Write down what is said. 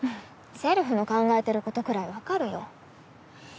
せるふの考えてることくらい分かるよ。